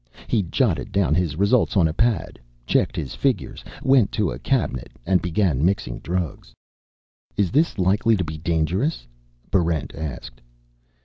He jotted down his results on a pad, checked his figures, went to a cabinet, and began mixing drugs. "Is this likely to be dangerous?" Barrent asked.